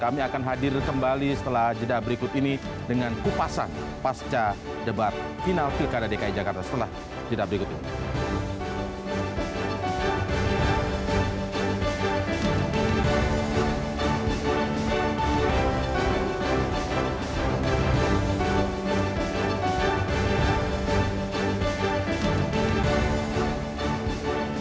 kami akan hadir kembali setelah jeda berikut ini dengan kupasan pasca debat final pilkada dki jakarta setelah jeda berikut ini